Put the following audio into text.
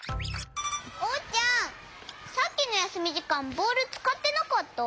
おうちゃんさっきのやすみじかんボールつかってなかった？